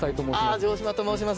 城島と申します。